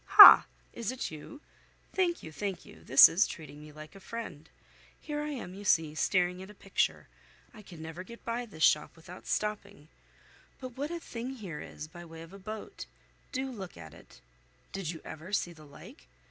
"Ha! is it you? Thank you, thank you. This is treating me like a friend. Here I am, you see, staring at a picture. I can never get by this shop without stopping. But what a thing here is, by way of a boat! Do look at it. Did you ever see the like?